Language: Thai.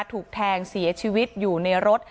ถูกแทงเสียชีวิตอยู่ในรถ